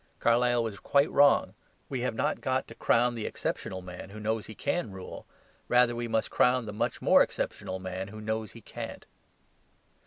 Carlyle was quite wrong; we have not got to crown the exceptional man who knows he can rule. Rather we must crown the much more exceptional man who knows he can't.